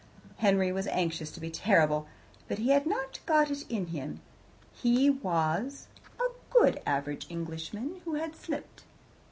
Henry was anxious to be terrible, but had not got it in him. He was a good average Englishman, who had slipped.